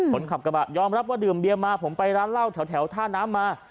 คนขับกระบะยอมรับว่าดื่มเบียมาผมไปร้านเหล้าแถวท่าน้ำมา